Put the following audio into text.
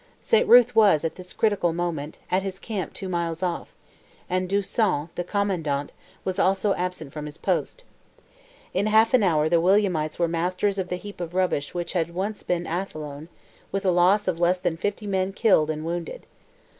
Saint Ruth was, at this critical moment, at his camp two miles off, and D'Usson, the commandant, was also absent from his post. In half an hour the Williamites were masters of the heap of rubbish which had once been Athlone, with a loss of less than fifty men killed and wounded.